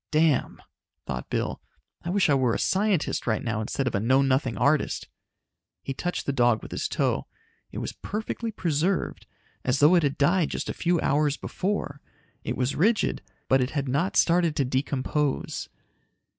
"Damn," thought Bill. "I wish I were a scientist right now instead of a know nothing artist!" He touched the dog with his toe. It was perfectly preserved, as though it had died just a few hours before. It was rigid, but it had not started to decompose.